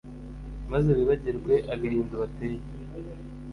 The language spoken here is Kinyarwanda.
maze bibagirwe agahinda ubateye.